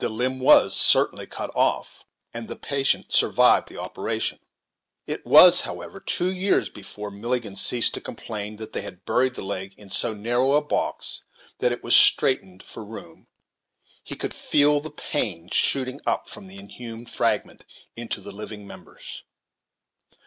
The limb was certainly cut off, and the patient survived the operation. It was, however, two years before poor Milligan ceased to complain that they had buried the leg in so narrow a box that it was straitened for room; he could feel the pain shooting up from the inhumed fragment into the living members.